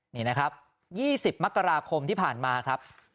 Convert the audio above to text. นี่นะครับ๒๐มกราคมที่ผ่านมาครับ